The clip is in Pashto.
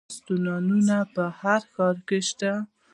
رستورانتونه په هر ښار کې شته